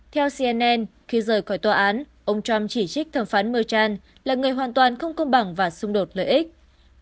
theo cnn khi rời khỏi tòa án ông trump chỉ trích thẩm phán murchan là người hoàn toàn không công bằng và xung đột lợi ích